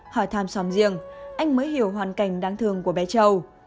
hỏi thăm xóm riêng anh mới hiểu hoàn cảnh đáng thương của bé châu